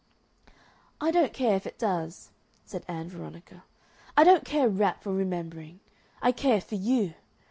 "I don't care if it does," said Ann Veronica. "I don't care a rap for remembering. I care for you.